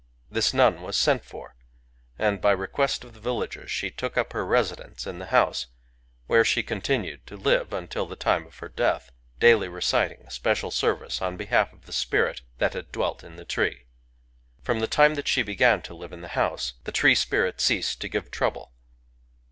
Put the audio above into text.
Thit nun wat tent for | and by requett of the villagert the took up her reddence in the houte, where the continued to live until the time of her death, — daily redting a tpedal tervice on behalf of the tpirit that had dwelt in the tree. From the time that the began to live in the houte the tree tpirit ceated to g^e trouble.